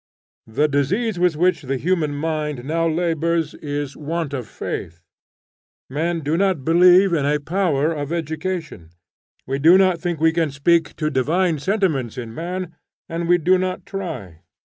The disease with which the human mind now labors is want of faith. Men do not believe in a power of education. We do not think we can speak to divine sentiments in man, and we do not try.